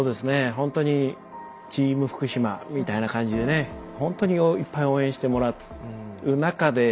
ほんとにチーム福島みたいな感じでねほんとにいっぱい応援してもらう中で戦ってって。